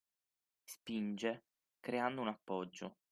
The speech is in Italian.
Spinge creando un “appoggio”